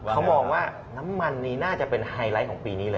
เขามองว่าน้ำมันนี้น่าจะเป็นไฮไลท์ของปีนี้เลย